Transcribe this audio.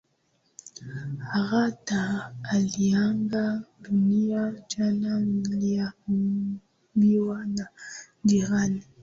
Haratah aliaga dunia jana, niliambiwa na jirani